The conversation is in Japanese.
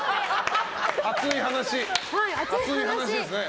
熱い話ですね。